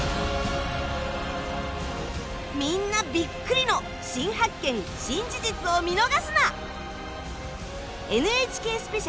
みんなビックリの新発見・新事実を見逃すな！